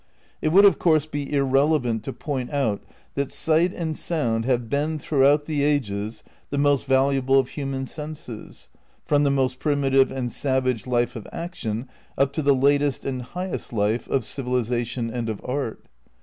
It would of course be irrelevant to point out that sight and sound have been throughout the ages the most valuable of human senses, from the most primitive and savage life of action up to the latest and highest life of civilization and of art.